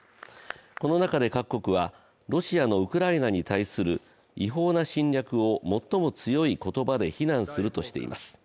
この中で各国は、ロシアのウクライナに対する違法な侵略を最も強い言葉で非難するとしています。